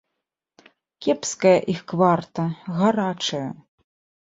Кепская іх кварта, гарачая.